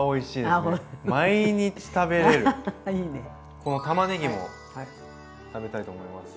このたまねぎも食べたいと思います。